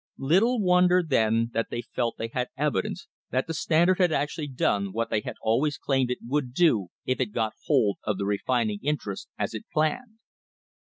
Little wonder then that they felt they had evidence that the Standard had actually done what they had always claimed it would do if it got hold of the refining interests as it planned.